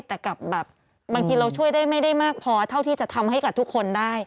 แต่กับแบบบางทีเราช่วยได้ไม่ได้มากพอเท่าที่จะทำให้กับทุกคนได้